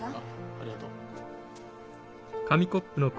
あっありがとう。